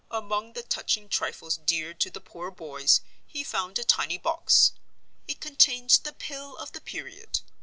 Among the touching trifles dear to the poor boys, he found a tiny Box. It contained the Pill of the Period.